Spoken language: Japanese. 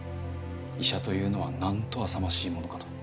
医者というのはなんとあさましいものかと。